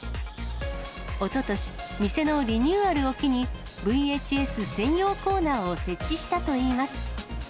おととし、店のリニューアルを機に、ＶＨＳ専用コーナーを設置したといいます。